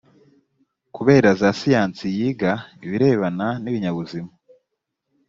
kubera za siyansi yiga ibirebana n ibinyabuzima.